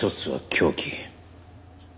凶器？